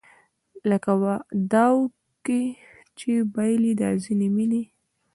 لکه داو کې چې بایلي دا ځینې مینې